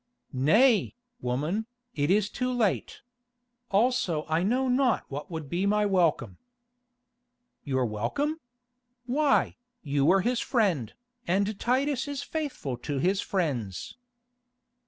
"Nay, woman, it is too late. Also I know not what would be my welcome." "Your welcome? Why, you were his friend, and Titus is faithful to his friends."